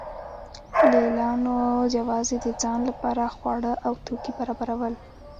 لې لیانو یوازې د ځان لپاره خواړه او توکي برابرول